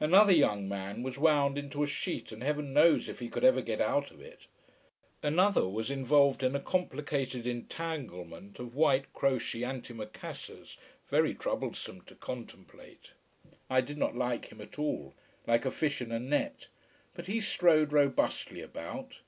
Another young man was wound into a sheet, and heavens knows if he could ever get out of it. Another was involved in a complicated entanglement of white crochet antimacassars, very troublesome to contemplate. I did not like him at all, like a fish in a net. But he strode robustly about.